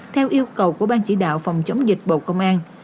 theo yêu cầu của ban chỉ đạo phòng chống dịch bộ công an